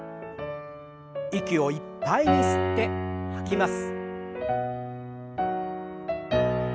息をいっぱいに吸って吐きます。